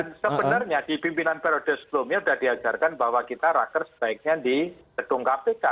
dan sebenarnya di pimpinan periode sebelumnya udah diajarkan bahwa kita rakses baiknya di gedung kpk